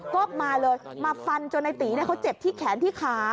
ก็มาเลยมาฟันจนในตีเขาเจ็บที่แขนที่ขา